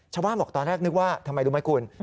ชาวบ้านบอกตอนแรกนึกว่าทำไมรู้ไหมคุณ